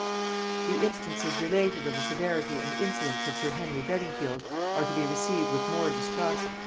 The instances related of the severity and insolence of sir Henry Beddingfield are to be received with more distrust.